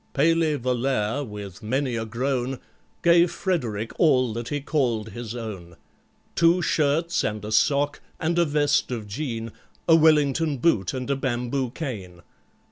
PALEY VOLLAIRE, with many a groan, Gave FREDERICK all that he called his own,— Two shirts and a sock, and a vest of jean, A Wellington boot and a bamboo cane.